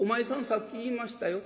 さっき言いましたよ。